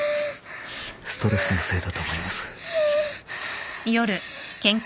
ストレスのせいだと思います。